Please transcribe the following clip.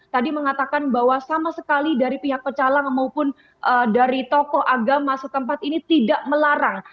tadi mengatakan bahwa sama sekali dari pihak pecalang maupun dari tokoh agama setempat ini tidak melarang